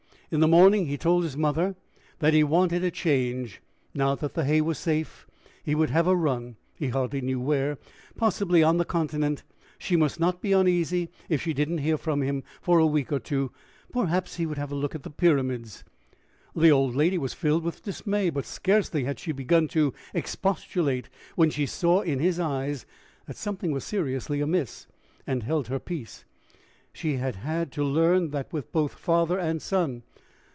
In the morning he told his mother that he wanted a change; now that the hay was safe, he would have a run, he hardly knew where possibly on the Continent; she must not be uneasy if she did not hear from him for a week or two; perhaps he would have a look at the pyramids. The old lady was filled with dismay; but scarcely had she begun to expostulate when she saw in his eyes that something was seriously amiss, and held her peace she had had to learn that with both father and son.